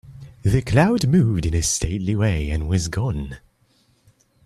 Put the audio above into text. The cloud moved in a stately way and was gone.